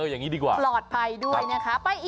อย่างนี้ดีกว่าปลอดภัยด้วยนะคะ